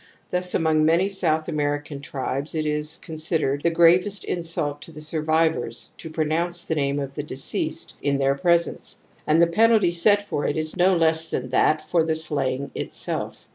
Thus, among many South American tribes, it is considered the gravest insult to the survivors to pronounce the name of the deceased in their presence, and the penalty set for it is no less than that for the slaying itself*®.